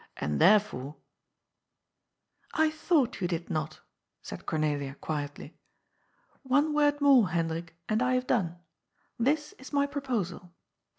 And therefore "" I thought you did not," said Cornelia quietly. " One word more, Hendrik, and I have done. This is my proposal.